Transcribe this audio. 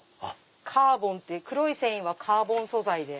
カーボンっていう黒い繊維はカーボン素材で。